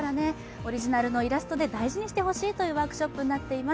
オリジナルのイラストで大事にしてほしいというワークショップになっています。